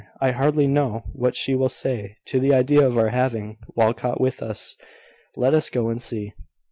I hardly know what she will say to the idea of our having Walcot with us. Let us go and see."